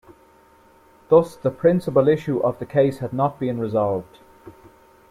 Thus the principal issue of the case had not been resolved.